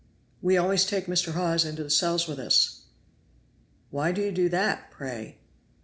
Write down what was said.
"We always take Mr. Hawes into the cells with us." "Why do you do that, pray?"